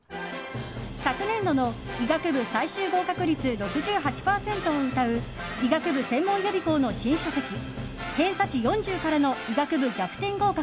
昨年度の医学部最終合格率６８％をうたう医学部専門予備校の新書籍「偏差値４０からの医学部逆転合格」。